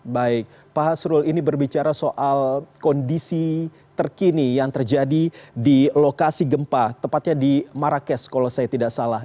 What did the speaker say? baik pak hasrul ini berbicara soal kondisi terkini yang terjadi di lokasi gempa tepatnya di marrakesh kalau saya tidak salah